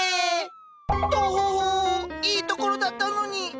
トホホいいところだったのに！